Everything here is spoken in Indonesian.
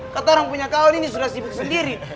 kata orang punya kawan ini sudah sibuk sendiri